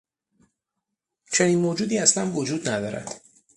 چنین موجودی اصلا وجود ندارد.